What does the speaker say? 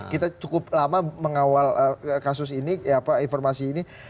kita cukup lama mengawal kasus ini informasi ini